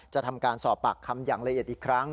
จะทำการสอบปากคำอย่างละเอียดอีกครั้ง